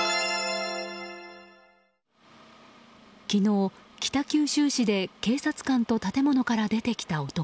昨日、北九州市で警察官と建物から出てきた男。